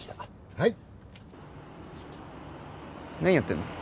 はい何やってんの？